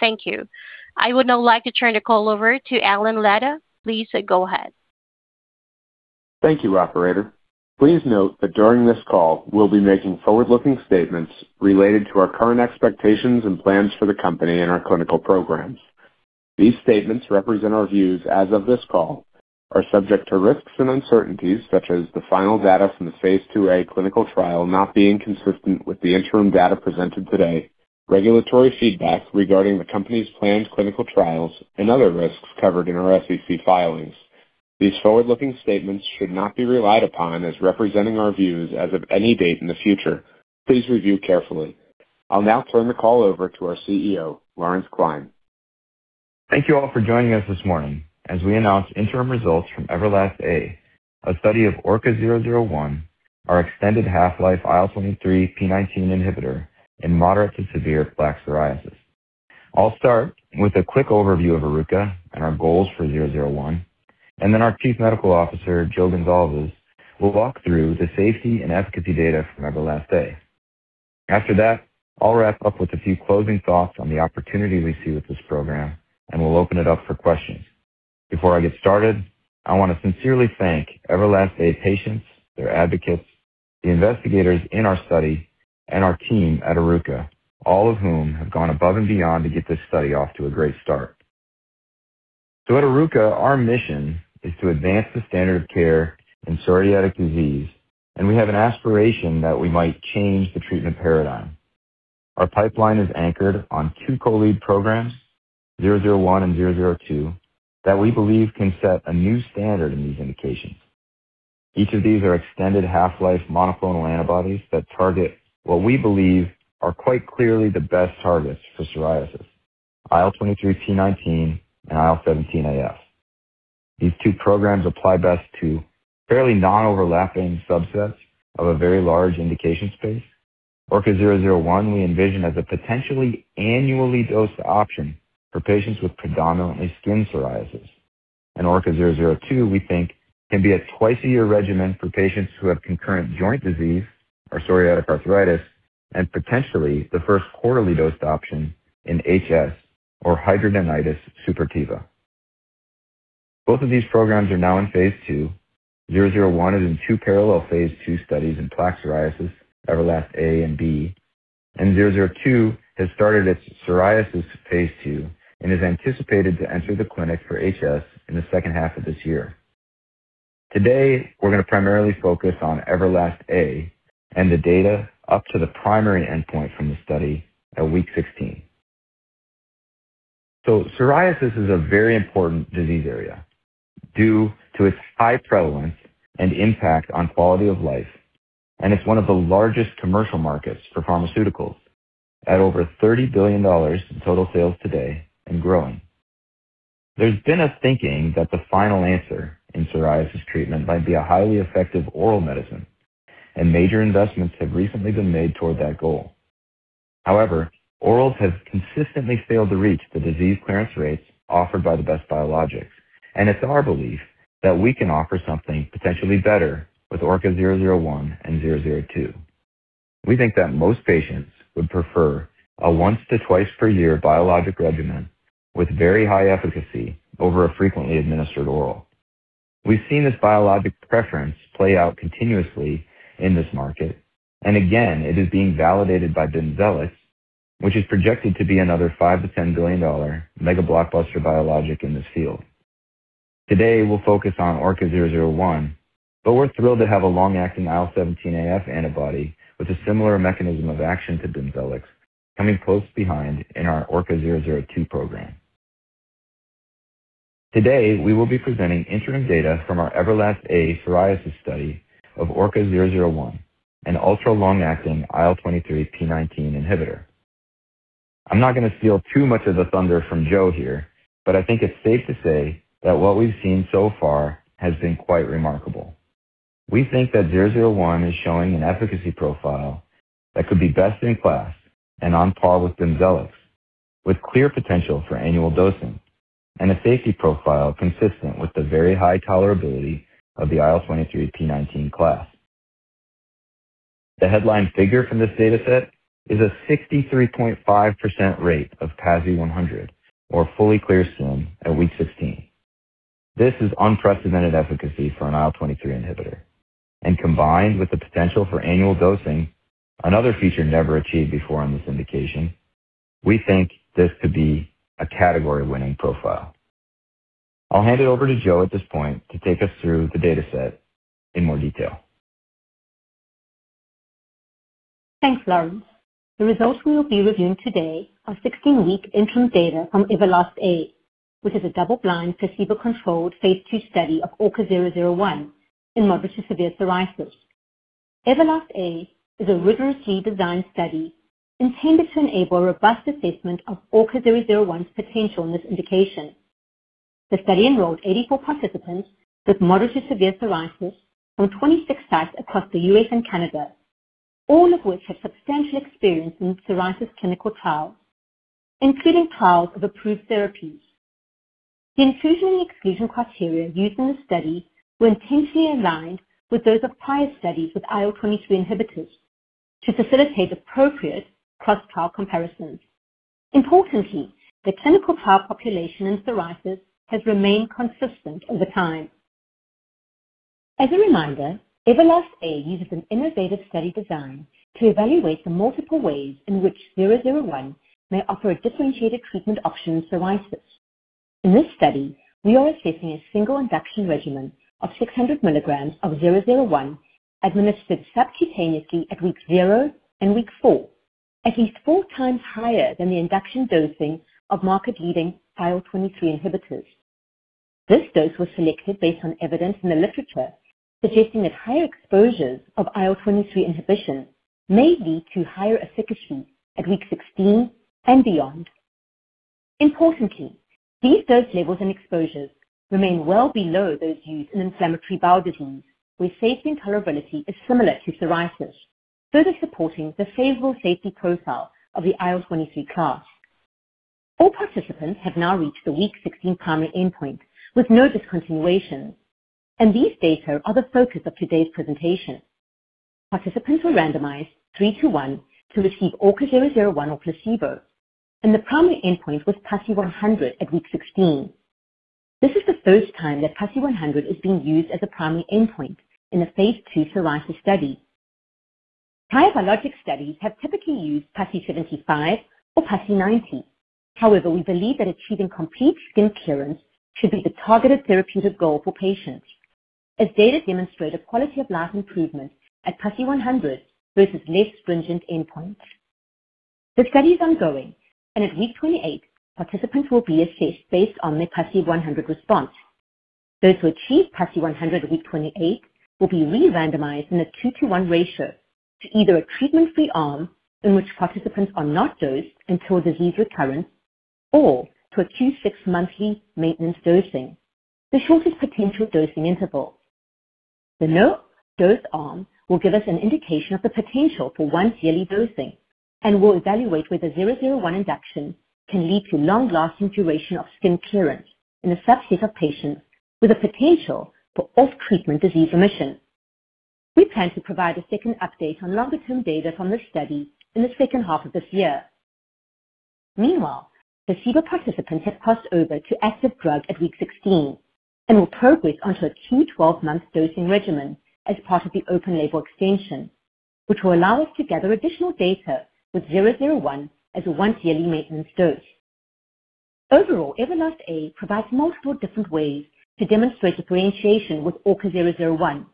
Thank you. I would now like to turn the call over to Alan Lada. Please go ahead. Thank you, operator. Please note that during this call, we'll be making forward-looking statements related to our current expectations and plans for the company and our clinical programs. These statements represent our views as of this call, are subject to risks and uncertainties such as the final data from the phase II A clinical trial not being consistent with the interim data presented today, regulatory feedback regarding the company's planned clinical trials and other risks covered in our SEC filings. These forward-looking statements should not be relied upon as representing our views as of any date in the future. Please review carefully. I'll now turn the call over to our CEO, Lawrence Klein. Thank you all for joining us this morning as we announce interim results from EVERLAST-A, a study of ORKA-001, our extended half-life IL-23/p19 inhibitor in moderate-to-severe plaque psoriasis. I'll start with a quick overview of Oruka and our goals for ORKA-001, and then our Chief Medical Officer, Jo Goncalves, will walk through the safety and efficacy data from EVERLAST-A. After that, I'll wrap up with a few closing thoughts on the opportunity we see with this program, and we'll open it up for questions. Before I get started, I wanna sincerely thank EVERLAST-A patients, their advocates, the investigators in our study, and our team at Oruka, all of whom have gone above and beyond to get this study off to a great start. At Oruka, our mission is to advance the standard of care in psoriatic disease, and we have an aspiration that we might change the treatment paradigm. Our pipeline is anchored on two co-lead programs, ORKA-001 and ORKA-002, that we believe can set a new standard in these indications. Each of these are extended half-life monoclonal antibodies that target what we believe are quite clearly the best targets for psoriasis, IL-23/p19 and IL-17A/F. These two programs apply best to fairly non-overlapping subsets of a very large indication space. ORKA-001 we envision as a potentially annually dosed option for patients with predominantly skin psoriasis. ORKA-002 we think can be a twice-a-year regimen for patients who have concurrent joint disease or psoriatic arthritis and potentially the first quarterly dosed option in HS or Hidradenitis suppurativa. Both of these programs are now in phase II. ORKA-001 is in two parallel phase II studies in plaque psoriasis, EVERLAST-A and EVERLAST-B, and ORKA-002 has started its psoriasis phase II and is anticipated to enter the clinic for HS in the second half of this year. Today, we're gonna primarily focus on EVERLAST-A and the data up to the primary endpoint from the study at week 16. Psoriasis is a very important disease area due to its high prevalence and impact on quality of life, and it's one of the largest commercial markets for pharmaceuticals at over $30 billion in total sales today and growing. There's been a thinking that the final answer in psoriasis treatment might be a highly effective oral medicine, and major investments have recently been made toward that goal. However, orals have consistently failed to reach the disease clearance rates offered by the best biologics, and it's our belief that we can offer something potentially better with ORKA-001 and ORKA-002. We think that most patients would prefer a 1x-2x times per year biologic regimen with very high efficacy over a frequently administered oral. We've seen this biologic preference play out continuously in this market, and again, it is being validated by BIMZELX, which is projected to be another $5 billion-$10 billion mega blockbuster biologic in this field. Today, we'll focus on ORKA-001, but we're thrilled to have a long-acting IL-17A/F antibody with a similar mechanism of action to BIMZELX coming close behind in our ORKA-002 program. Today, we will be presenting interim data from our EVERLAST-A psoriasis study of ORKA-001, an ultra-long-acting IL-23/p19 inhibitor. I'm not gonna steal too much of the thunder from Jo here, but I think it's safe to say that what we've seen so far has been quite remarkable. We think that ORKA-001 is showing an efficacy profile that could be best in class and on par with BIMZELX, with clear potential for annual dosing and a safety profile consistent with the very high tolerability of the IL-23/p19 class. The headline figure from this data set is a 63.5% rate of PASI 100 or fully clear skin at week 16. This is unprecedented efficacy for an IL-23 inhibitor, and combined with the potential for annual dosing, another feature never achieved before on this indication, we think this could be a category-winning profile. I'll hand it over to Jo at this point to take us through the data set in more detail. Thanks, Lawrence. The results we will be reviewing today are 16-week interim data from EVERLAST-A, which is a double-blind, placebo-controlled phase II study of ORKA-001 in moderate-to-severe psoriasis. EVERLAST-A is a rigorously designed study intended to enable robust assessment of ORKA-001's potential in this indication. The study enrolled 84 participants with moderate-to-severe psoriasis from 26 sites across the U.S. and Canada, all of which have substantial experience in psoriasis clinical trials, including trials of approved therapies. The inclusion and exclusion criteria used in the study were intentionally aligned with those of prior studies with IL-23 inhibitors to facilitate appropriate cross-trial comparisons. Importantly, the clinical trial population in psoriasis has remained consistent over time. As a reminder, EVERLAST-A uses an innovative study design to evaluate the multiple ways in which ORKA-001 may offer a differentiated treatment option in psoriasis. In this study, we are assessing a single induction regimen of 600 mg of ORKA-001 administered subcutaneously at week zero and week four, at least 4x higher than the induction dosing of market-leading IL-23 inhibitors. This dose was selected based on evidence in the literature suggesting that higher exposures of IL-23 inhibition may lead to higher efficacy at week 16 and beyond. Importantly, these dose levels and exposures remain well below those used in inflammatory bowel disease, where safety and tolerability is similar to psoriasis, further supporting the favorable safety profile of the IL-23 class. All participants have now reached the week 16 primary endpoint with no discontinuations, and these data are the focus of today's presentation. Participants were randomized 3:1 to receive ORKA-001 or placebo, and the primary endpoint was PASI 100 at week 16. This is the first time that PASI 100 is being used as a primary endpoint in a phase II psoriasis study. Prior biologic studies have typically used PASI 75 or PASI 90. However, we believe that achieving complete skin clearance should be the targeted therapeutic goal for patients as data demonstrate a quality-of-life improvement at PASI 100 versus less stringent endpoints. The study is ongoing, and at week 28, participants will be assessed based on their PASI 100 response. Those who achieve PASI 100 at week 28 will be re-randomized in a two to one ratio to either a treatment-free arm in which participants are not dosed until disease recurrence or to a two six-monthly maintenance dosing, the shortest potential dosing interval. The no-dose arm will give us an indication of the potential for once-yearly dosing and will evaluate whether 001 induction can lead to long-lasting duration of skin clearance in a subset of patients with a potential for off-treatment disease remission. We plan to provide a second update on longer-term data from this study in the second half of this year. Meanwhile, the placebo participants have crossed over to active drug at week 16 and will progress onto a 24-month dosing regimen as part of the open-label extension, which will allow us to gather additional data with ORKA-001 as a once-yearly maintenance dose. Overall, EVERLAST-A provides multiple different ways to demonstrate differentiation with ORKA-001,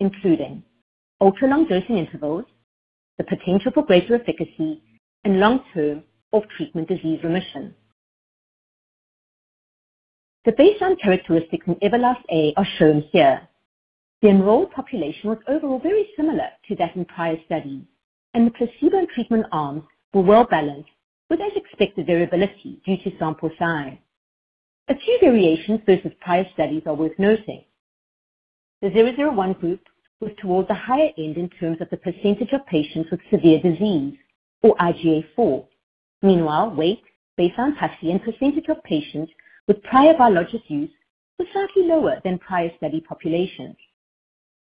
including ultra-long dosing intervals, the potential for greater efficacy, and long-term off-treatment disease remission. The baseline characteristics in EVERLAST-A are shown here. The enrolled population was overall very similar to that in prior studies, and the placebo treatment arms were well balanced with as expected variability due to sample size. A few variations versus prior studies are worth noting. The ORKA-001 group was towards the higher end in terms of the percentage of patients with severe disease, or IGA 4. Meanwhile, weight based on PASI and percentage of patients with prior biologic use was slightly lower than prior study populations.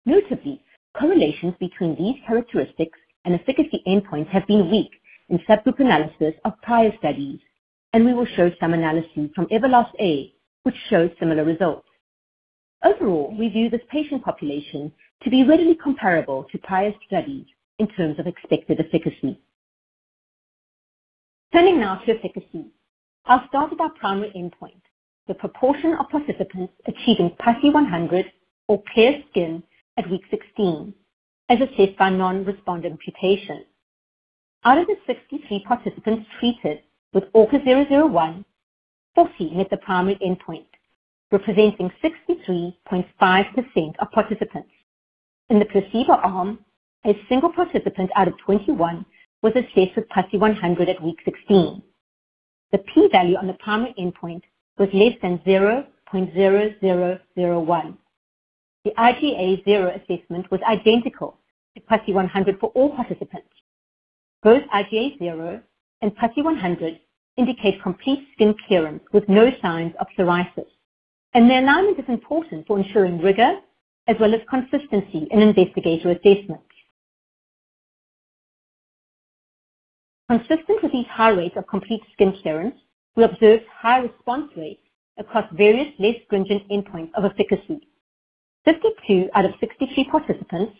Notably, correlations between these characteristics and efficacy endpoints have been weak in subgroup analysis of prior studies, and we will show some analysis from EVERLAST-A which shows similar results. Overall, we view this patient population to be readily comparable to prior studies in terms of expected efficacy. Turning now to efficacy, I'll start with our primary endpoint, the proportion of participants achieving PASI 100 or clear skin at week 16, as assessed by non-responder imputation. Out of the 63 participants treated with ORKA-001, 40 met the primary endpoint, representing 63.5% of participants. In the placebo arm, a single participant out of 21 was assessed with PASI 100 at week 16. The P value on the primary endpoint was less than 0.0001. The IGA 0 assessment was identical to PASI 100 for all participants. Both IGA 0 and PASI 100 indicate complete skin clearance with no signs of psoriasis, and their alignment is important for ensuring rigor as well as consistency in investigator assessment. Consistent with these high rates of complete skin clearance, we observed high response rates across various less stringent endpoints of efficacy. 53 out of 63 participants,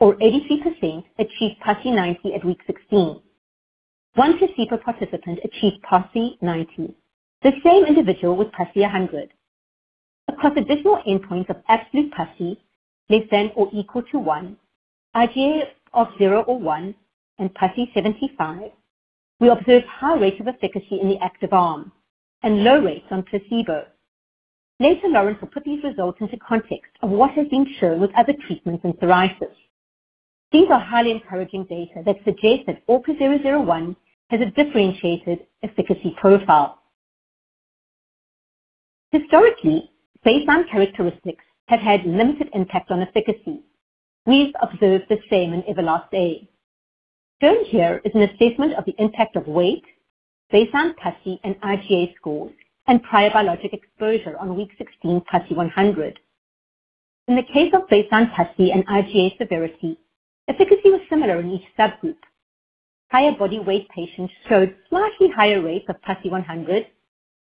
or 83%, achieved PASI 90 at week 16. One placebo participant achieved PASI 90, the same individual with PASI 100. Across additional endpoints of absolute PASI less than or equal to one, IGA of zero or one, and PASI 75, we observed high rates of efficacy in the active arm and low rates on placebo. Later, Lawrence will put these results into context of what has been shown with other treatments in psoriasis. These are highly encouraging data that suggest that ORKA-001 has a differentiated efficacy profile. Historically, baseline characteristics have had limited impact on efficacy. We've observed the same in EVERLAST-A. Shown here is an assessment of the impact of weight, baseline PASI and IGA scores, and prior biologic exposure on week 16 PASI 100. In the case of baseline PASI and IGA severity, efficacy was similar in each subgroup. Higher body weight patients showed slightly higher rates of PASI 100,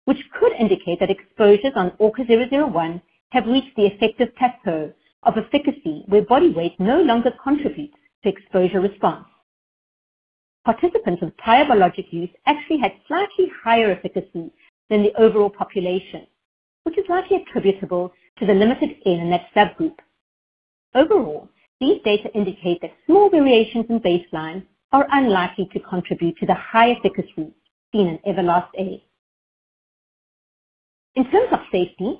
which could indicate that exposures on ORKA-001 have reached the effective test curve of efficacy where body weight no longer contributes to exposure response. Participants with prior biologic use actually had slightly higher efficacy than the overall population, which is likely attributable to the limited N in that subgroup. Overall, these data indicate that small variations in baseline are unlikely to contribute to the high efficacy seen in EVERLAST-A. In terms of safety,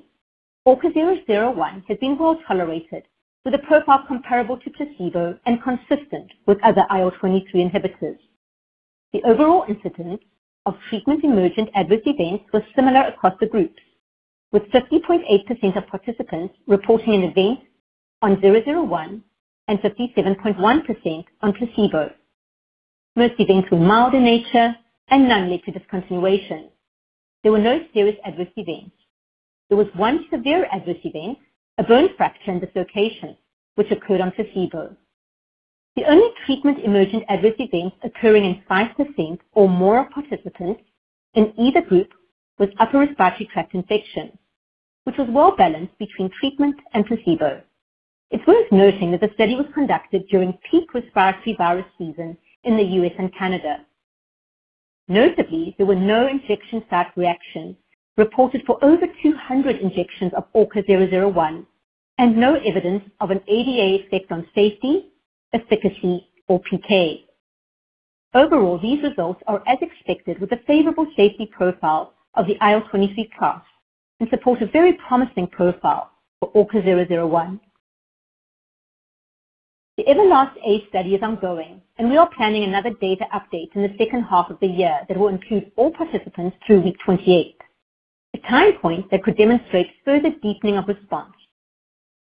ORKA-001 has been well-tolerated with a profile comparable to placebo and consistent with other IL-23 inhibitors. The overall incidence of treatment emergent adverse events was similar across the groups, with 50.8% of participants reporting an event on ORKA-001 and 57.1% on placebo. Most events were mild in nature and none led to discontinuation. There were no serious adverse events. There was one severe adverse event, a bone fracture and dislocation, which occurred on placebo. The only treatment emergent adverse events occurring in 5% or more participants in either group was upper respiratory tract infection, which was well balanced between treatment and placebo. It's worth noting that the study was conducted during peak respiratory virus season in the U.S. and Canada. Notably, there were no injection site reactions reported for over 200 injections of ORKA-001 and no evidence of an ADA effect on safety, efficacy, or PK. Overall, these results are as expected with a favorable safety profile of the IL-23 class and supports a very promising profile for ORKA-001. The EVERLAST-A study is ongoing, and we are planning another data update in the second half of the year that will include all participants through week 28, a time point that could demonstrate further deepening of response.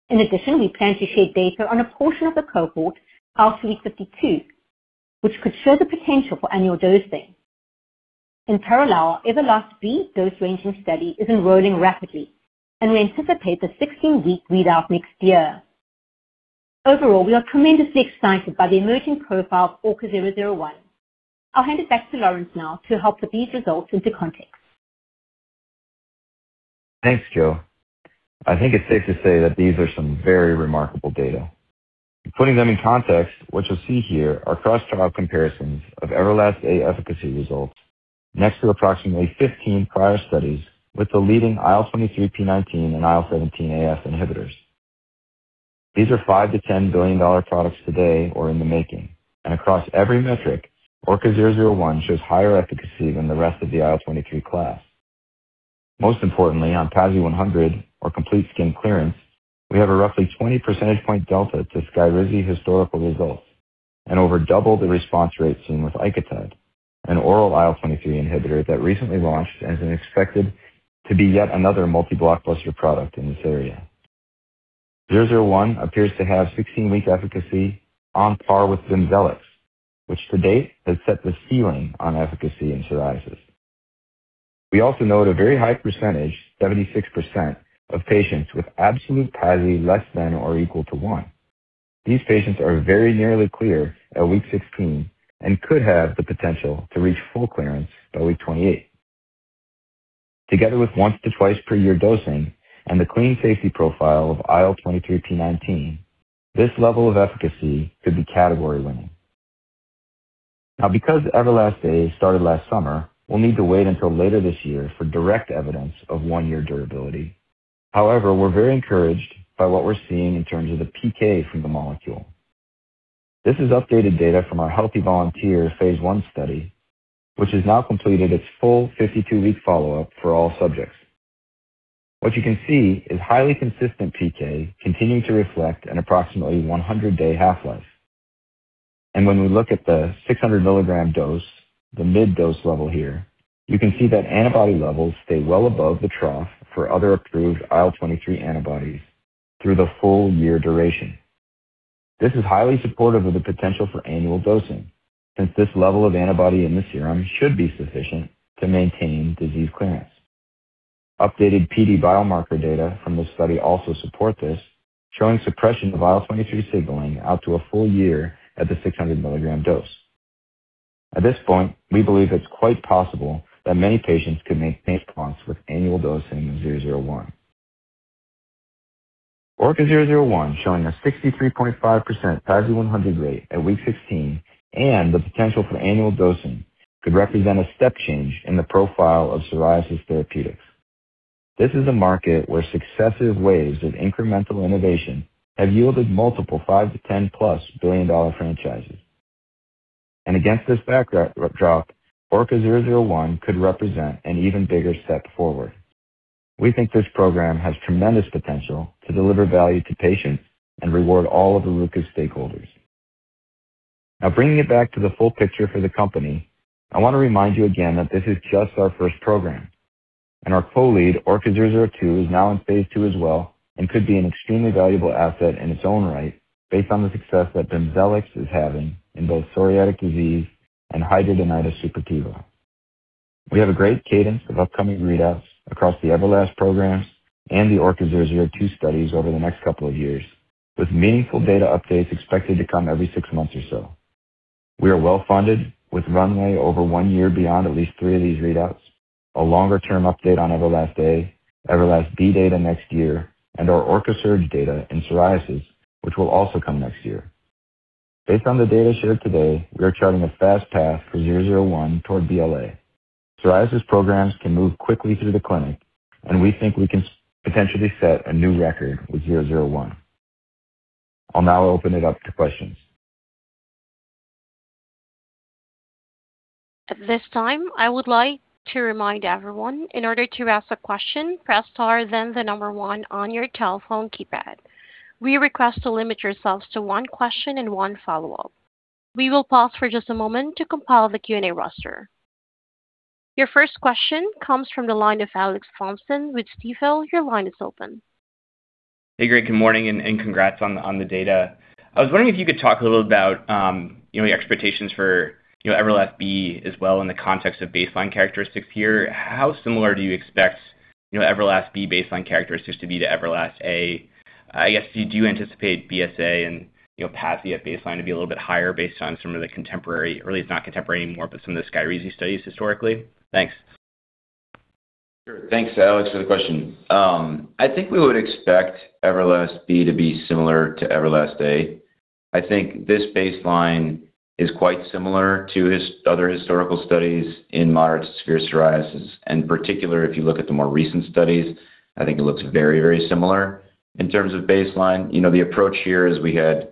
In addition, we plan to share data on a portion of the cohort out to week 52, which could show the potential for annual dosing. In parallel, our EVERLAST-B dose ranging study is enrolling rapidly, and we anticipate the 16-week readout next year. Overall, we are tremendously excited by the emerging profile of ORKA-001. I'll hand it back to Lawrence now to help put these results into context. Thanks, Jo. I think it's safe to say that these are some very remarkable data. Putting them in context, what you'll see here are cross-trial comparisons of EVERLAST-A efficacy results next to approximately 15 prior studies with the leading IL-23p19 and IL-17A/F inhibitors. These are $5 billion-$10 billion products today or in the making, and across every metric, ORKA-001 shows higher efficacy than the rest of the IL-23 class. Most importantly, on PASI 100 or complete skin clearance, we have a roughly 20 percentage point delta to Skyrizi historical results and over double the response rate seen with Icotyde, an oral IL-23 inhibitor that recently launched and is expected to be yet another multi-blockbuster product in this area. ORKA-001 appears to have 16-week efficacy on par with BIMZELX, which to date has set the ceiling on efficacy in psoriasis. We also note a very high percentage, 76%, of patients with absolute PASI less than or equal to 1. These patients are very nearly clear at week 16 and could have the potential to reach full clearance by week 28. Together with 1x to 2x per year dosing and the clean safety profile of IL-23p19, this level of efficacy could be category winning. Now, because EVERLAST-A started last summer, we'll need to wait until later this year for direct evidence of one-year durability. However, we're very encouraged by what we're seeing in terms of the PK from the molecule. This is updated data from our healthy volunteer phase I study, which has now completed its full 52-week follow-up for all subjects. What you can see is highly consistent PK continuing to reflect an approximately 100-day half-life. When we look at the 600 mg dose, the mid-dose level here, you can see that antibody levels stay well above the trough for other approved IL-23 antibodies through the full-year duration. This is highly supportive of the potential for annual dosing, since this level of antibody in the serum should be sufficient to maintain disease clearance. Updated PD biomarker data from this study also support this, showing suppression of IL-23 signaling out to a full year at the 600 mg dose. At this point, we believe it's quite possible that many patients could maintain response with annual dosing of ORKA-001. ORKA-001 showing a 63.5% PASI 100 rate at week 16 and the potential for annual dosing could represent a step change in the profile of psoriasis therapeutics. This is a market where successive waves of incremental innovation have yielded multiple $5 billion-$10 billion+ franchises. Against this backdrop, ORKA-001 could represent an even bigger step forward. We think this program has tremendous potential to deliver value to patients and reward all of Oruka's stakeholders. Now bringing it back to the full picture for the company, I want to remind you again that this is just our first program. Our co-lead ORKA-002 is now in phase II as well, and could be an extremely valuable asset in its own right based on the success that BIMZELX is having in both psoriatic disease and hidradenitis suppurativa. We have a great cadence of upcoming readouts across the EVERLAST programs and the ORKA-002 studies over the next couple of years, with meaningful data updates expected to come every six months or so. We are well funded with runway over one year beyond at least of these readouts. A longer-term update on EVERLAST-A, EVERLAST-B data next year, and our ORCA-SURGE data in psoriasis, which will also come next year. Based on the data shared today, we are charting a fast path for ORKA-001 toward BLA. Psoriasis programs can move quickly through the clinic, and we think we can potentially set a new record with ORKA-001. I'll now open it up to questions. At this time, I would like to remind everyone in order to ask a question, press star, then 1 on your telephone keypad. We request to limit yourselves to one question and one follow-up. We will pause for just a moment to compile the Q&A roster. Your first question comes from the line of Alex Thompson with Stifel. Your line is open. Hey, great. Good morning and congrats on the data. I was wondering if you could talk a little about, you know, the expectations for, you know, EVERLAST-B as well in the context of baseline characteristics here. How similar do you expect, you know, EVERLAST-B baseline characteristics to be to EVERLAST-A? I guess, do you anticipate BSA and, you know, PASI baseline to be a little bit higher based on some of the contemporary, or at least not contemporary anymore, but some of the Skyrizi studies historically? Thanks. Sure. Thanks, Alex, for the question. I think we would expect EVERLAST-B to be similar to EVERLAST-A. I think this baseline is quite similar to this other historical studies in moderate-to-severe psoriasis. Particularly if you look at the more recent studies, I think it looks very, very similar in terms of baseline. The approach here is we had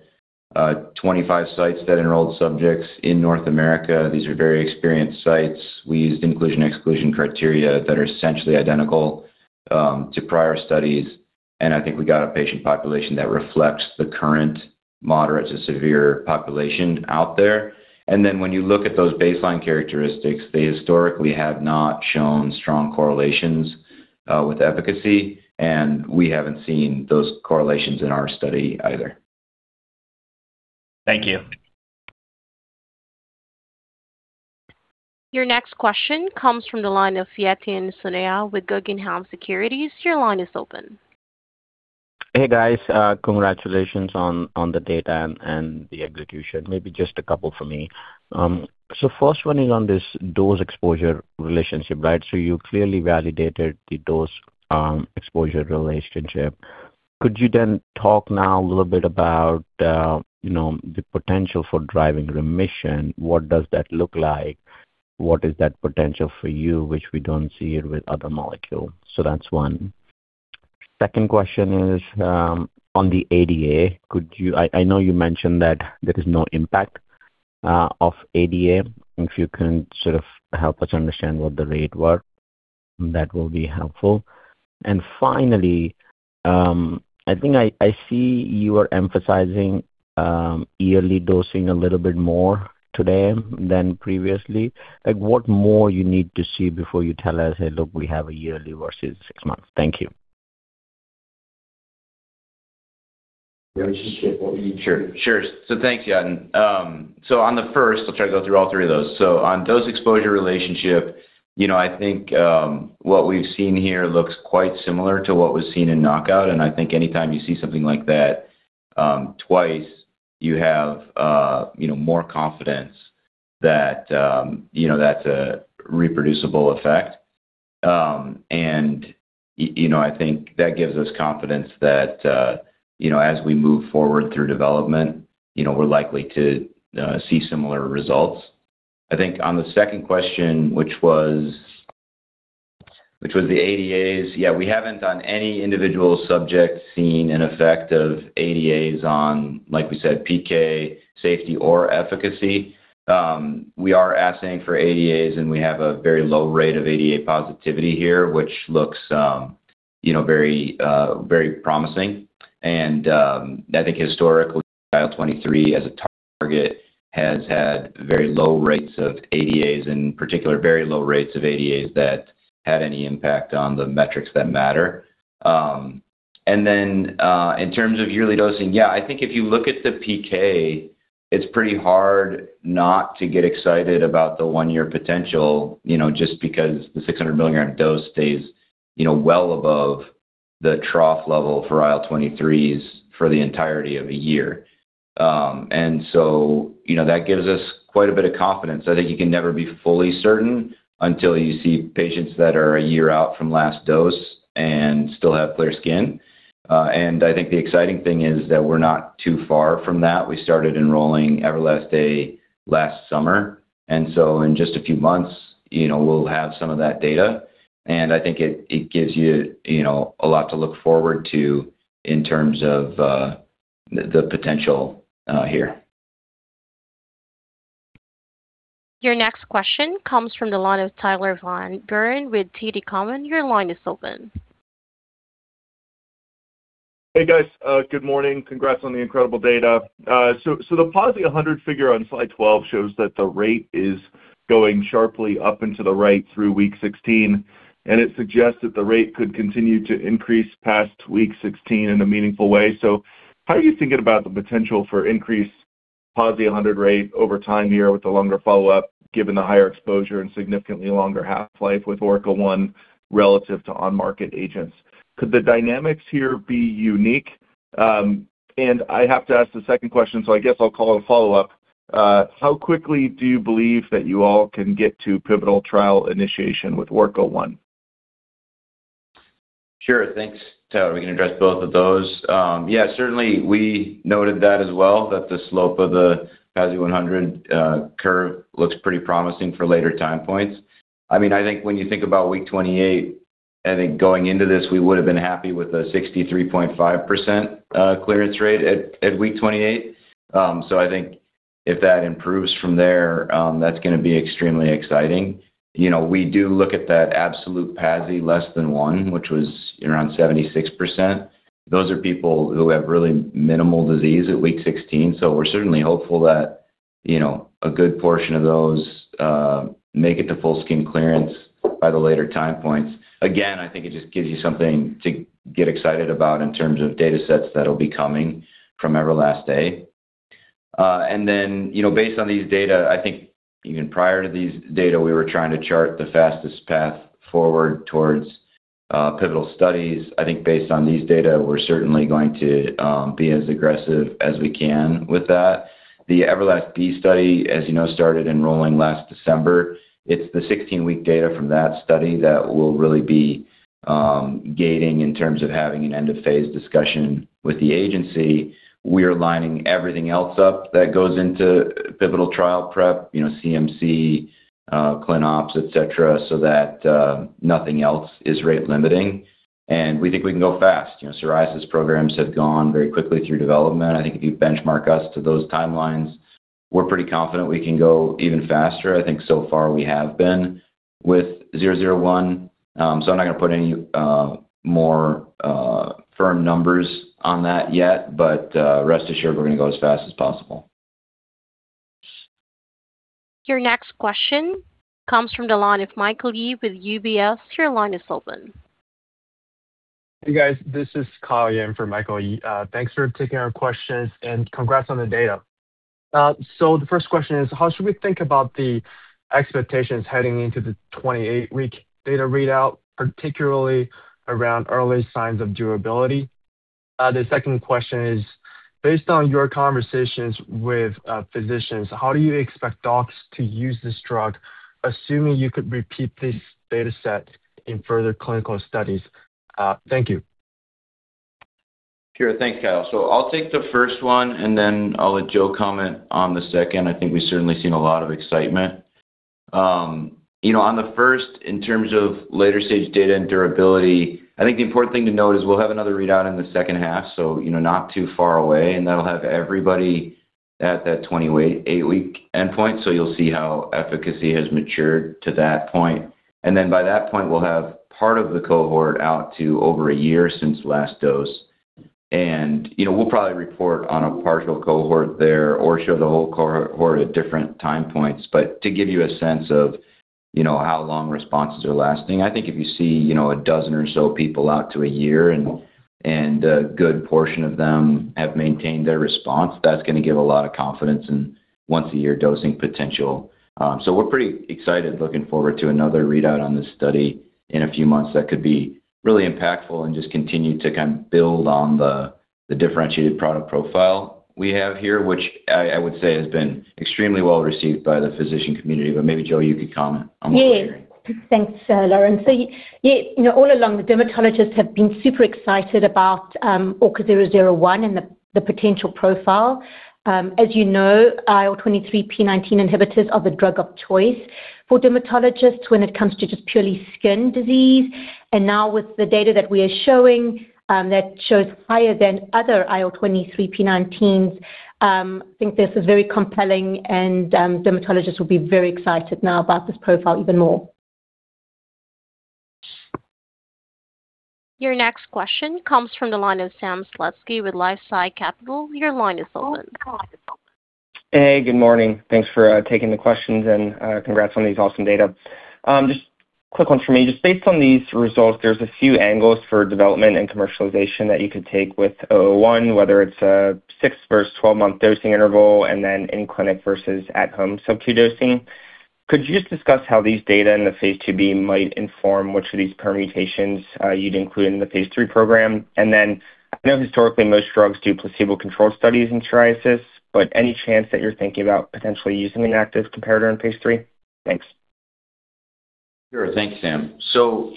25 sites that enrolled subjects in North America. These are very experienced sites. We used inclusion/exclusion criteria that are essentially identical to prior studies, and I think we got a patient population that reflects the current moderate-to-severe population out there. Then when you look at those baseline characteristics, they historically have not shown strong correlations with efficacy, and we haven't seen those correlations in our study either. Thank you. Your next question comes from the line of Yatin Suneja with Guggenheim Securities. Your line is open. Hey, guys. Congratulations on the data and the execution. Maybe just a couple for me. First one is on this dose exposure relationship, right? You clearly validated the dose exposure relationship. Could you then talk now a little bit about, you know, the potential for driving remission? What does that look like? What is that potential for you, which we don't see it with other molecules? That's one. Second question is on the ADA. I know you mentioned that there is no impact of ADA. If you can sort of help us understand what the rate was, that will be helpful. Finally, I think I see you are emphasizing yearly dosing a little bit more today than previously. Like, what more you need to see before you tell us, "Hey, look, we have a yearly versus six months"? Thank you. Sure. Thank you. On the first, I'll try to go through all three of those. On dose exposure relationship, you know, I think what we've seen here looks quite similar to what was seen in KNOCKOUT. I think anytime you see something like that twice, you have, you know, more confidence that, you know, that's a reproducible effect. You know, I think that gives us confidence that, you know, as we move forward through development, you know, we're likely to see similar results. I think on the second question, which was the ADAs. Yeah, we haven't on any individual subject seen an effect of ADAs on, like we said, PK, safety or efficacy. We are asking for ADAs, and we have a very low rate of ADA positivity here, which looks, you know, very, very promising. I think historically, IL-23 as a target has had very low rates of ADAs, in particular, very low rates of ADAs that had any impact on the metrics that matter. In terms of yearly dosing, yeah, I think if you look at the PK, it's pretty hard not to get excited about the one-year potential, you know, just because the 600 mg dose stays, you know, well above the trough level for IL-23s for the entirety of a year. You know, that gives us quite a bit of confidence. I think you can never be fully certain until you see patients that are a year out from last dose and still have clear skin. I think the exciting thing is that we're not too far from that. We started enrolling EVERLAST-A last summer, and so in just a few months, you know, we'll have some of that data. I think it gives you know, a lot to look forward to in terms of the potential here. Your next question comes from the line of Tyler Van Buren with TD Cowen. Your line is open. Hey guys, good morning. Congrats on the incredible data. The PASI 100 figure on slide 12 shows that the rate is going sharply up into the right through week 16, and it suggests that the rate could continue to increase past week 16 in a meaningful way. How are you thinking about the potential for increased PASI 100 rate over time here with the longer follow-up, given the higher exposure and significantly longer half-life with ORKA-001 relative to on-market agents? Could the dynamics here be unique? I have to ask the second question, so I guess I'll call it a follow-up. How quickly do you believe that you all can get to pivotal trial initiation with ORKA-001? Sure. Thanks, Tyler. We can address both of those. Yeah, certainly we noted that as well, that the slope of the PASI 100 curve looks pretty promising for later time points. I mean, I think when you think about week 28, I think going into this, we would have been happy with a 63.5% clearance rate at week 28. So I think if that improves from there, that's gonna be extremely exciting. You know, we do look at that absolute PASI less than one, which was around 76%. Those are people who have really minimal disease at week 16. So we're certainly hopeful that, you know, a good portion of those make it to full skin clearance by the later time points. Again, I think it just gives you something to get excited about in terms of datasets that'll be coming from EVERLAST-A. You know, based on these data, I think even prior to these data, we were trying to chart the fastest path forward towards pivotal studies. I think based on these data, we're certainly going to be as aggressive as we can with that. The EVERLAST-B study, as you know, started enrolling last December. It's the 16-week data from that study that will really be gating in terms of having an end-of-phase discussion with the agency. We're lining everything else up that goes into pivotal trial prep, you know, CMC, clin ops, et cetera, so that nothing else is rate limiting. We think we can go fast. You know, psoriasis programs have gone very quickly through development. I think if you benchmark us to those timelines, we're pretty confident we can go even faster. I think so far we have been with ORKA-001. So I'm not gonna put any more firm numbers on that yet, but rest assured we're gonna go as fast as possible. Your next question comes from the line of Michael Yee with UBS. Your line is open. Hey, guys. This is Kyle Yang in for Michael Yee. Thanks for taking our questions, and congrats on the data. The first question is, how should we think about the expectations heading into the 28-week data readout, particularly around early signs of durability? The second question is, based on your conversations with physicians, how do you expect docs to use this drug, assuming you could repeat this data set in further clinical studies? Thank you. Sure. Thanks, Kyle. I'll take the first one, and then I'll let Jo comment on the second. I think we've certainly seen a lot of excitement. You know, on the first, in terms of later-stage data and durability, I think the important thing to note is we'll have another readout in the second half, so, you know, not too far away, and that'll have everybody at that 28-week endpoint. You'll see how efficacy has matured to that point. Then by that point, we'll have part of the cohort out to over a year since last dose. You know, we'll probably report on a partial cohort there or show the whole cohort at different time points. To give you a sense of, you know, how long responses are lasting, I think if you see, you know, a dozen or so people out to a year and a good portion of them have maintained their response, that's gonna give a lot of confidence in once-a-year dosing potential. So we're pretty excited looking forward to another readout on this study in a few months that could be really impactful and just continue to kind of build on the differentiated product profile we have here, which I would say has been extremely well-received by the physician community. But maybe, Jo, you could comment on what we're hearing. Yeah. Thanks, Lawrence. Yeah, you know, all along, the dermatologists have been super excited about ORKA-001 and the potential profile. As you know, IL-23p19 inhibitors are the drug of choice for dermatologists when it comes to just purely skin disease. Now with the data that we are showing, that shows higher than other IL-23p19, I think this is very compelling, and dermatologists will be very excited now about this profile even more. Your next question comes from the line of Sam Slutsky with LifeSci Capital. Your line is open. Hey, good morning. Thanks for taking the questions, and congrats on these awesome data. Just quick ones from me. Just based on these results, there's a few angles for development and commercialization that you could take with zero zero one, whether it's a six versus 12-month dosing interval and then in-clinic versus at-home subq dosing. Could you just discuss how these data in the phase IIb might inform which of these permutations you'd include in the phase III program? I know historically most drugs do placebo-controlled studies in psoriasis, but any chance that you're thinking about potentially using an active comparator in phase III? Thanks. Sure. Thanks, Sam.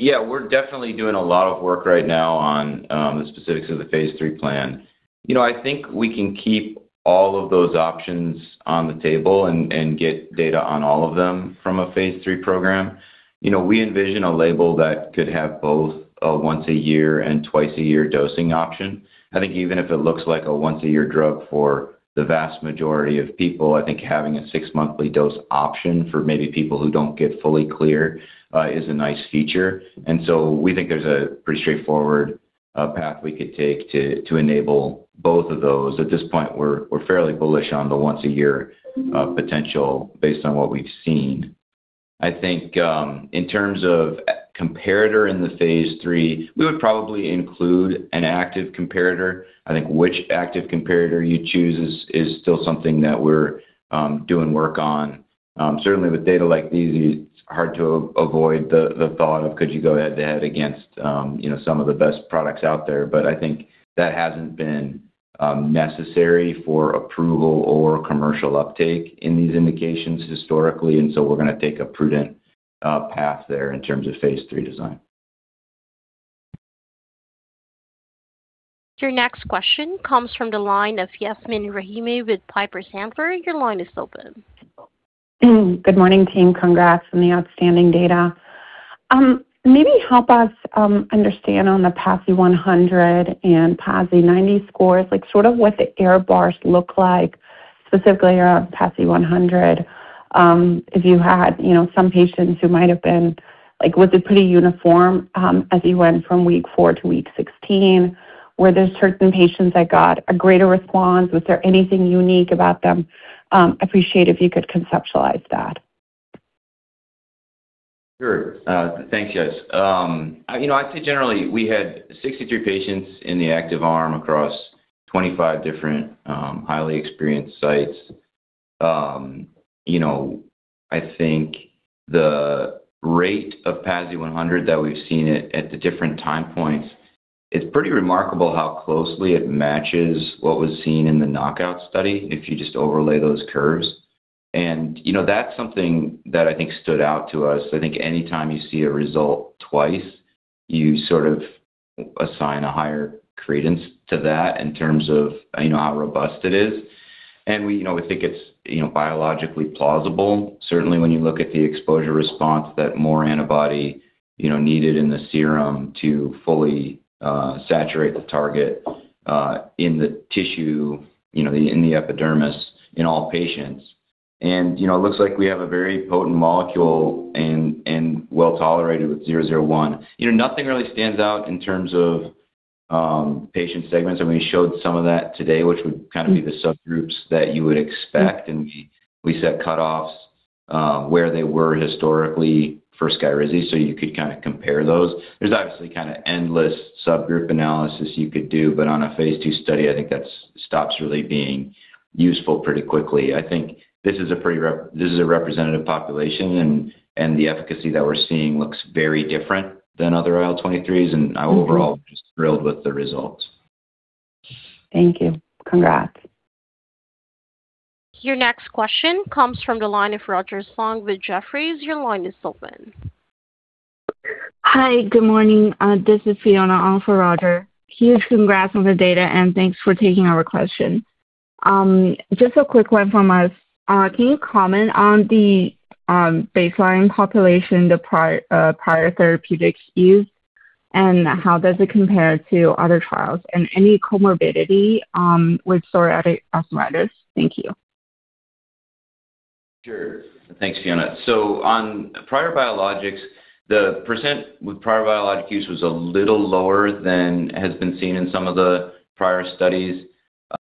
Yeah, we're definitely doing a lot of work right now on the specifics of the phase III plan. You know, I think we can keep all of those options on the table and get data on all of them from a phase III program. You know, we envision a label that could have both a once-a-year and twice-a-year dosing option. I think even if it looks like a once-a-year drug for the vast majority of people, I think having a six-monthly dose option for maybe people who don't get fully clear is a nice feature. We think there's a pretty straightforward path we could take to enable both of those. At this point, we're fairly bullish on the once a year potential based on what we've seen. I think, in terms of a comparator in the phase III, we would probably include an active comparator. I think which active comparator you choose is still something that we're doing work on. Certainly with data like these, it's hard to avoid the thought of could you go head-to-head against, you know, some of the best products out there. I think that hasn't been necessary for approval or commercial uptake in these indications historically, and so we're gonna take a prudent path there in terms of phase III design. Your next question comes from the line of Yasmeen Rahimi with Piper Sandler. Your line is open. Good morning, team. Congrats on the outstanding data. Maybe help us understand on the PASI 100 and PASI 90 scores, like sort of what the error bars look like, specifically around PASI 100. Was it pretty uniform as you went from week four to week 16? Were there certain patients that got a greater response? Was there anything unique about them? Appreciate if you could conceptualize that. Sure. Thank you, Yas. You know, I'd say generally, we had 63 patients in the active arm across 25 different, highly experienced sites. You know, I think the rate of PASI 100 that we've seen at the different time points, it's pretty remarkable how closely it matches what was seen in the KNOCKOUT study, if you just overlay those curves. You know, that's something that I think stood out to us. I think anytime you see a result twice, you sort of assign a higher credence to that in terms of, you know, how robust it is. We, you know, we think it's, you know, biologically plausible, certainly when you look at the exposure response that more antibody, you know, needed in the serum to fully, saturate the target, in the tissue, you know, in the epidermis in all patients. You know, it looks like we have a very potent molecule and well-tolerated with ORKA-001. You know, nothing really stands out in terms of patient segments, and we showed some of that today, which would kind of be the subgroups that you would expect. We set cutoffs where they were historically for Skyrizi, so you could kind of compare those. There's obviously kind of endless subgroup analysis you could do, but on a phase II study, I think that stops really being useful pretty quickly. I think this is a representative population and the efficacy that we're seeing looks very different than other IL-23s, and I overall am just thrilled with the results. Thank you. Congrats. Your next question comes from the line of Roger Song with Jefferies. Your line is open. Hi. Good morning. This is Fiona on for Roger. Huge congrats on the data, and thanks for taking our question. Just a quick one from us. Can you comment on the baseline population, the prior therapeutic use, and how does it compare to other trials? Any comorbidity with psoriatic arthritis? Thank you. Sure. Thanks, Fiona. On prior biologics, the percent with prior biologic use was a little lower than has been seen in some of the prior studies.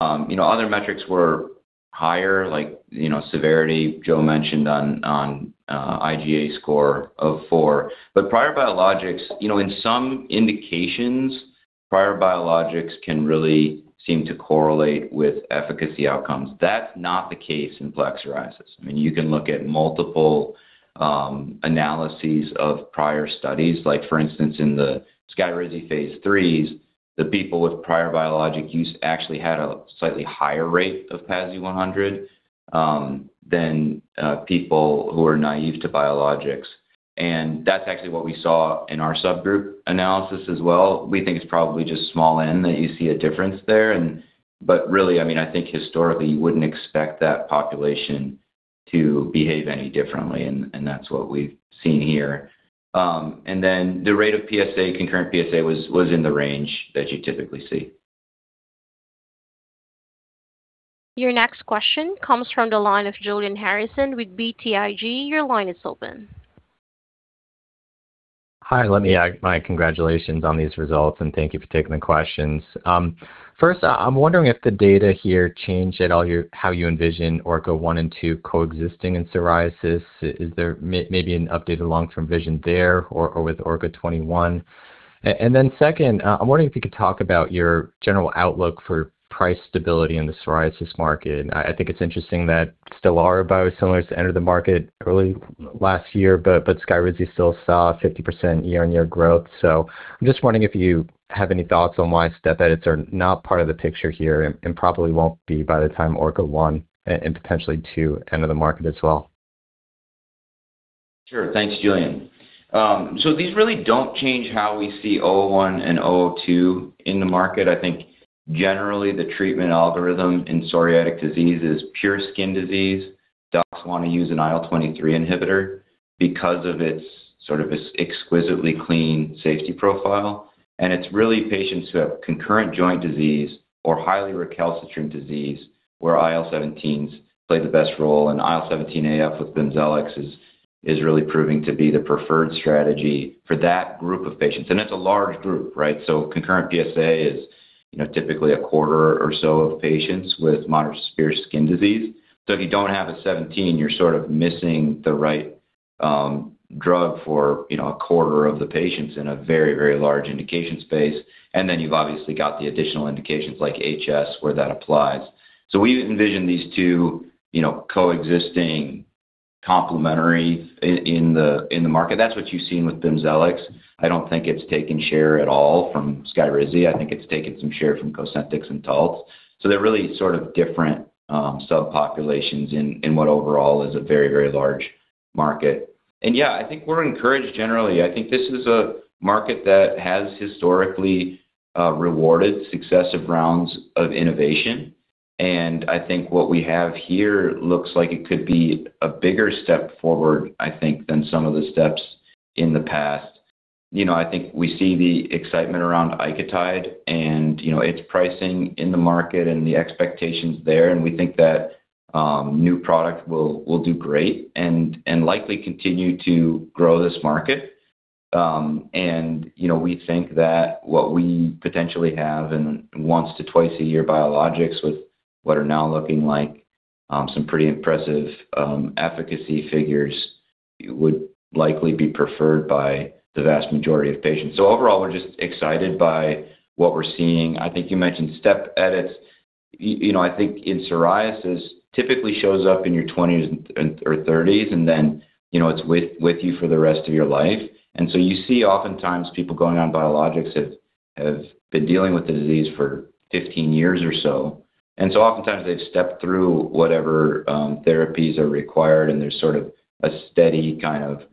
You know, other metrics were higher, like, you know, severity. Jo mentioned IGA score of four. Prior biologics, you know, in some indications, prior biologics can really seem to correlate with efficacy outcomes. That's not the case in plaque psoriasis. I mean, you can look at multiple analyses of prior studies, like for instance, in the Skyrizi phase IIIs, the people with prior biologic use actually had a slightly higher rate of PASI 100 than people who are naive to biologics. That's actually what we saw in our subgroup analysis as well. We think it's probably just small N that you see a difference there, but really, I mean, I think historically, you wouldn't expect that population to behave any differently, and that's what we've seen here. The rate of PSA, concurrent PSA was in the range that you typically see. Your next question comes from the line of Julian Harrison with BTIG. Your line is open. Hi. Let me add my congratulations on these results, and thank you for taking the questions. First, I'm wondering if the data here changed at all how you envision ORKA-001 and ORKA-002 coexisting in psoriasis. Is there maybe an updated long-term vision there or with ORKA-021? And then second, I'm wondering if you could talk about your general outlook for price stability in the psoriasis market. I think it's interesting that Stelara, a biosimilar, entered the market early last year, but Skyrizi still saw 50% year-on-year growth. I'm just wondering if you have any thoughts on why step edits are not part of the picture here and probably won't be by the time ORKA-001 and potentially ORKA-002 enter the market as well. Sure. Thanks, Julian. These really don't change how we see ORKA-001 and ORKA-002 in the market. I think generally the treatment algorithm in psoriatic disease is pure skin disease. Docs wanna use an IL-23 inhibitor because of its exquisitely clean safety profile. It's really patients who have concurrent joint disease or highly recalcitrant disease where IL-17s play the best role. IL-17A/F with BIMZELX is really proving to be the preferred strategy for that group of patients, and that's a large group, right? Concurrent PSA is, you know, typically a quarter or so of patients with moderate-to-severe skin disease. If you don't have a 17 you're sort of missing the right drug for, you know, a quarter of the patients in a very, very large indication space. You've obviously got the additional indications like HS where that applies. We envision these two, you know, coexisting complementary in the market. That's what you've seen with BIMZELX. I don't think it's taken share at all from Skyrizi. I think it's taken some share from Cosentyx and Taltz. They're really sort of different subpopulations in what overall is a very, very large market. Yeah, I think we're encouraged generally. I think this is a market that has historically rewarded successive rounds of innovation. I think what we have here looks like it could be a bigger step forward, I think, than some of the steps in the past. You know, I think we see the excitement around Icotyde and, you know, its pricing in the market and the expectations there, and we think that new product will do great and likely continue to grow this market. You know, we think that what we potentially have in once to twice a year biologics with what are now looking like some pretty impressive efficacy figures would likely be preferred by the vast majority of patients. Overall we're just excited by what we're seeing. I think you mentioned step edits. You know, I think psoriasis typically shows up in your twenties and or thirties, and then, you know, it's with you for the rest of your life. You see oftentimes people going on biologics have been dealing with the disease for 15 years or so. Oftentimes they've stepped through whatever therapies are required, and there's sort of a steady kind of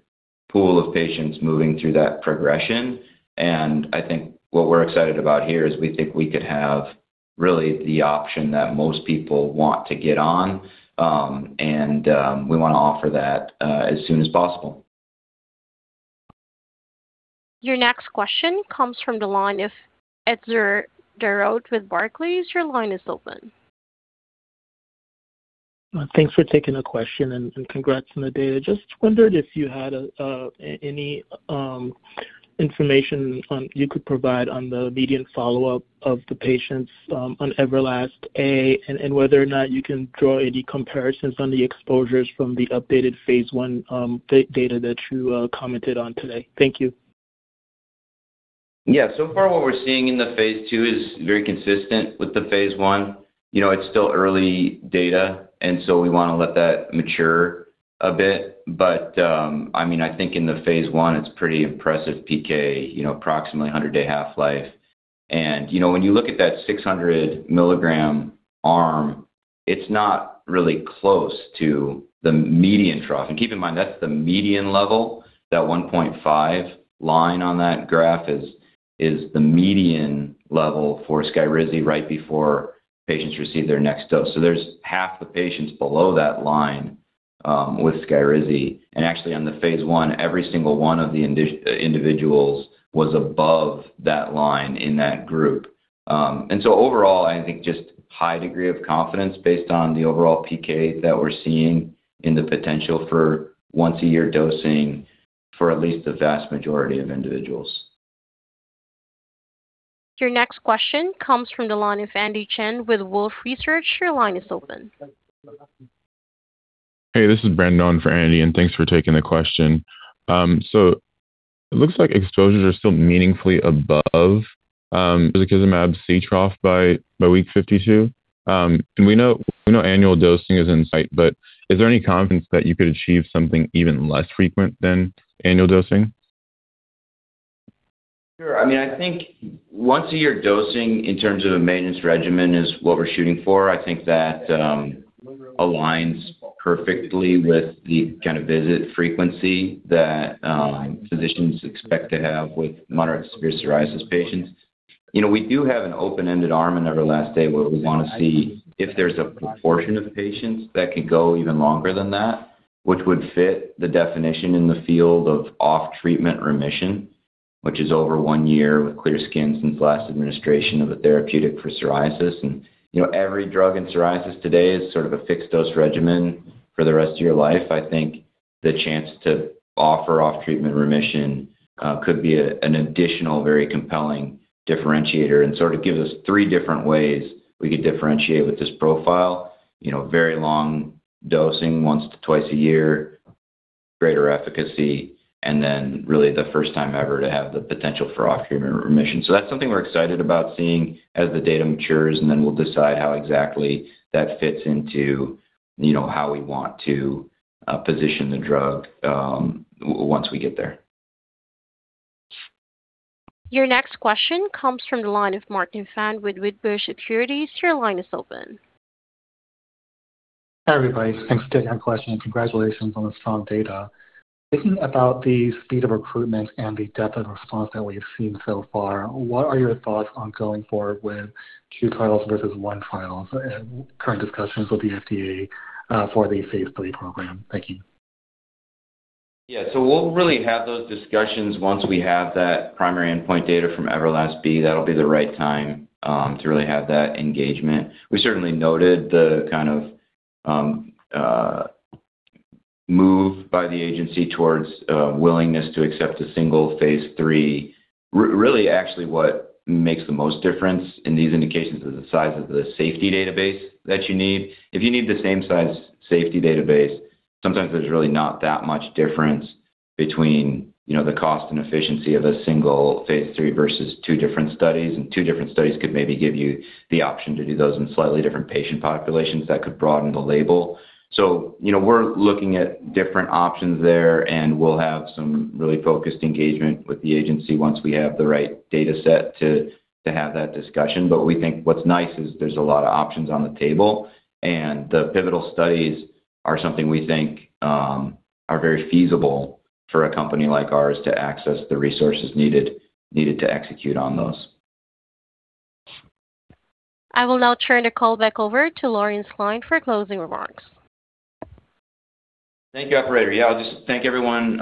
pool of patients moving through that progression. I think what we're excited about here is we think we could have really the option that most people want to get on, and we wanna offer that as soon as possible. Your next question comes from the line of Etzer Darout with Barclays. Your line is open. Thanks for taking the question and congrats on the data. Just wondered if you had any information you could provide on the median follow-up of the patients on EVERLAST-A and whether or not you can draw any comparisons on the exposures from the updated phase I data that you commented on today. Thank you. Yeah. So far what we're seeing in the phase II is very consistent with the phase I. You know, it's still early data, and we wanna let that mature a bit. I mean, I think in the phase I it's pretty impressive PK, you know, approximately a 100-day half-life. When you look at that 600 mg arm, it's not really close to the median trough. Keep in mind, that's the median level. That 1.5 line on that graph is the median level for Skyrizi right before patients receive their next dose. There's half the patients below that line with Skyrizi. Actually on the phase I, every single one of the individuals was above that line in that group. Overall, I think just high degree of confidence based on the overall PK that we're seeing in the potential for once-a-year dosing for at least the vast majority of individuals. Your next question comes from the line of Andy Chen with Wolfe Research. Your line is open. Hey, this is Brandon for Andy, and thanks for taking the question. It looks like exposures are still meaningfully above risankizumab C trough by week 52. We know annual dosing is in sight, but is there any confidence that you could achieve something even less frequent than annual dosing? Sure. I mean, I think once a year dosing in terms of a maintenance regimen is what we're shooting for. I think that aligns perfectly with the kind of visit frequency that physicians expect to have with moderate to severe psoriasis patients. You know, we do have an open-ended arm in EVERLAST-A where we wanna see if there's a proportion of patients that could go even longer than that, which would fit the definition in the field of off treatment remission, which is over one year with clear skin since last administration of a therapeutic for psoriasis. You know, every drug in psoriasis today is sort of a fixed dose regimen for the rest of your life. I think the chance to offer off treatment remission could be an additional very compelling differentiator and sort of gives us three different ways we could differentiate with this profile. You know, very long dosing once to twice a year, greater efficacy, and then really the first time ever to have the potential for off treatment remission. That's something we're excited about seeing as the data matures, and then we'll decide how exactly that fits into, you know, how we want to position the drug once we get there. Your next question comes from the line of Martin Fan with Wedbush Securities. Your line is open. Hi, everybody. Thanks for taking our question, and congratulations on the strong data. Thinking about the speed of recruitment and the depth of response that we've seen so far, what are your thoughts on going forward with two trials versus one trials and current discussions with the FDA for the phase III program? Thank you. Yeah. We'll really have those discussions once we have that primary endpoint data from EVERLAST-B. That'll be the right time to really have that engagement. We certainly noted the kind of move by the agency towards willingness to accept a single phase III. Really actually what makes the most difference in these indications is the size of the safety database that you need. If you need the same size safety database, sometimes there's really not that much difference between, you know, the cost and efficiency of a single phase III versus two different studies. Two different studies could maybe give you the option to do those in slightly different patient populations that could broaden the label. You know, we're looking at different options there, and we'll have some really focused engagement with the agency once we have the right data set to have that discussion. We think what's nice is there's a lot of options on the table, and the pivotal studies are something we think are very feasible for a company like ours to access the resources needed to execute on those. I will now turn the call back over to Lawrence Klein for closing remarks. Thank you, operator. Yeah, I'll just thank everyone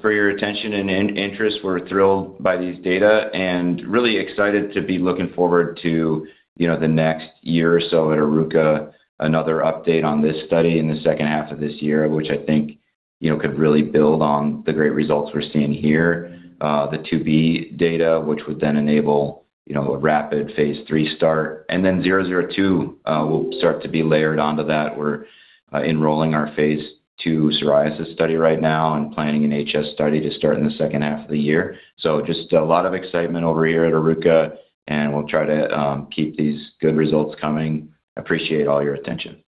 for your attention and in interest. We're thrilled by these data and really excited to be looking forward to, you know, the next year or so at Oruka. Another update on this study in the second half of this year, which I think, you know, could really build on the great results we're seeing here. The 2B data, which would then enable, you know, a rapid phase III start, and then 002 will start to be layered onto that. We're enrolling our phase II psoriasis study right now and planning an HS study to start in the second half of the year. Just a lot of excitement over here at Oruka, and we'll try to keep these good results coming. Appreciate all your attention.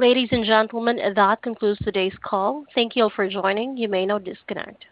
Ladies and gentlemen, that concludes today's call. Thank you all for joining. You may now disconnect.